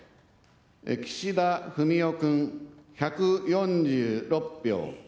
岸田文雄君１４６票。